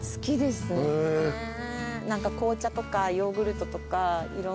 紅茶とかヨーグルトとかいろんなもの。